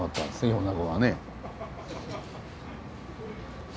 米子はね。